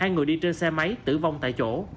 hai người đi trên xe máy tử vong tại chỗ